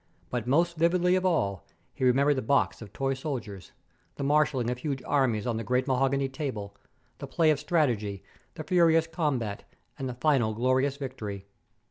But most vividly of all he remembered the box of tin soldiers; the marshalling of huge armies on the great mahogany table; the play of strategy; the furious combat; and the final glorious victory.